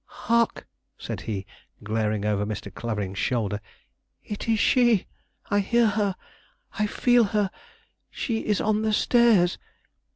"Hark!" said he, glaring over Mr. Clavering's shoulder: "it is she! I hear her! I feel her! She is on the stairs!